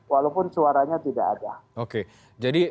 walaupun suaranya tidak ada